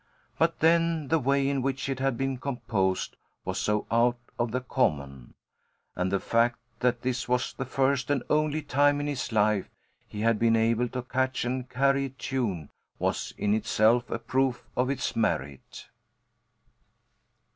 But then the way in which it had been composed was so out of the common! And the fact that this was the first and only time in his life he had been able to catch and carry a tune was in itself a proof of its merit.